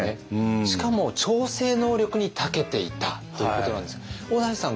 しかも調整能力にたけていたということなんですけども小田井さん